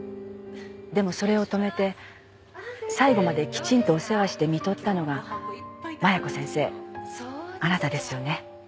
でもそれを止めて最後まできちんとお世話して看取ったのが麻弥子先生あなたですよね。